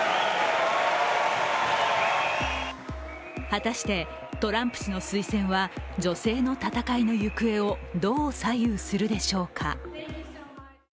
果たして、トランプ氏の推薦は女性の戦いの行方をどう左右するでしょうか。